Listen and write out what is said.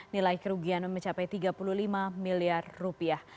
nilai kerugian mencapai tiga puluh lima miliar rupiah